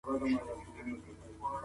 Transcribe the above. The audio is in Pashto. تعلیم به راتلونکې روښانه کړي.